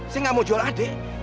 saya nggak mau jual adik